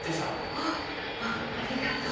あっあっありがとう。